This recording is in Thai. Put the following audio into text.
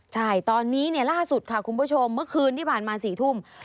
ใช่ตอนนี้ล่าสุดค่ะคุณผู้ชมเมื่อคืนที่ผ่านมา๔ทุ่ม